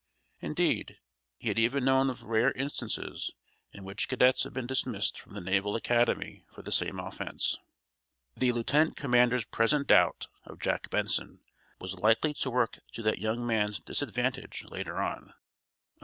Indeed, he had even known of rare instances in which cadets had been dismissed from the Naval Academy for the same offense. The lieutenant commander's present doubt of Jack Benson was likely to work to that young man's disadvantage later on.